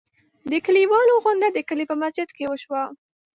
د کلیوالو غونډه د کلي په مسجد کې وشوه.